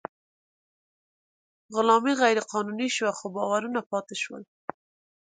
غلامي غیر قانوني شوه، خو باورونه پاتې شول.